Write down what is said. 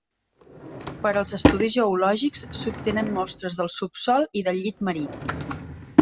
Per als estudis geològics, s'obtenen mostres del subsòl i del llit marí.